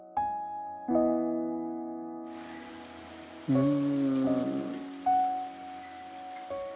うん。